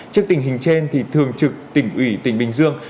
trước tình hình trên thì thường trực tỉnh ủy tỉnh bình dương